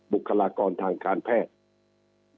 บุคลากรทางการแพทย์